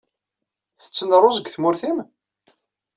Ttetten rruẓ deg tmurt-im?